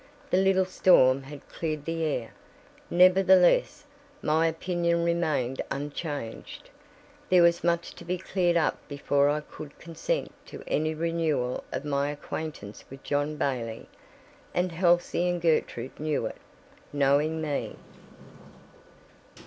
The little storm had cleared the air. Nevertheless, my opinion remained unchanged. There was much to be cleared up before I would consent to any renewal of my acquaintance with John Bailey. And Halsey and Gertrude knew it, knowing me.